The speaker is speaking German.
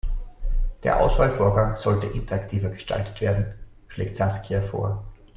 Der Auswahlvorgang sollte interaktiver gestaltet werden, schlägt Saskia vor.